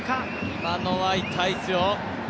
今のは痛いですよ。